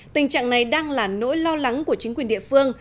tình trạng này đang là nỗi lo lắng của chính quyền địa phương